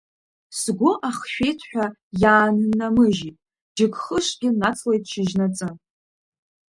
Сгәы ахшәеит ҳәа, иааннамыжьит, џьыкхышкгьы нацлеит шьыжьнаҵы.